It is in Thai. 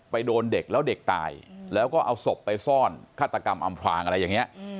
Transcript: โดนเด็กแล้วเด็กตายแล้วก็เอาศพไปซ่อนฆาตกรรมอำพลางอะไรอย่างนี้